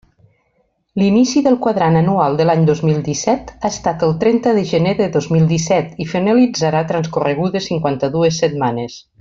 L'inici del quadrant anual de l'any dos mil disset ha estat el trenta de gener de dos mil disset i finalitzarà transcorregudes cinquanta-dues setmanes.